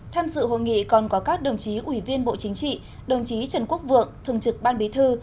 tham dự hội nghị còn có các đồng chí ủy viên bộ chính trị đồng chí trần quốc vượng thường trực ban bí thư